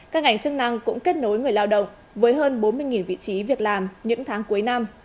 các ngành chức năng cũng kết nối người lao động với hơn bốn mươi vị trí việc làm những tháng cuối năm